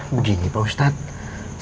begini pak ustadz